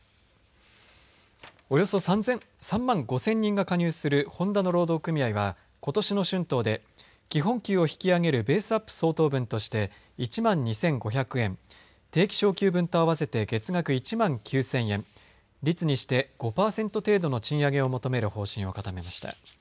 およそ３万５０００人が加入するホンダの労働組合はことしの春闘で基本給を引き上げるベースアップ相当分として１万２５００円定期昇給分と合わせて月額１万９０００円率にして５パーセント程度の賃上げを求める方針を固めました。